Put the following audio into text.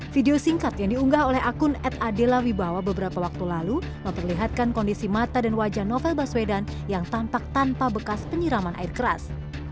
video singkat yang diunggah oleh akun at adela wibawa beberapa waktu lalu memperlihatkan kondisi mata dan wajah novel baswedan yang tampak tanpa bekas penyiraman air keras